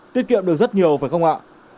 tiết kiệm được rất nhiều phải không ạ